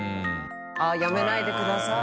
やめないでください」